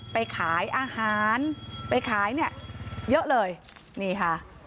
ไปขายอาหารไปขายเนี่ยเยอะเลยนี่ค่ะ